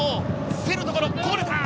競るところ、こぼれた。